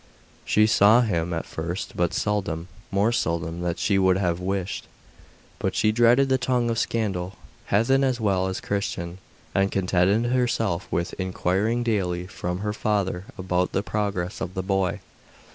She saw him at first but seldom more seldom than she would have wished; but she dreaded the tongue of scandal, heathen as well as Christian, and contented herself with inquiring daily from her father about the progress of the boy.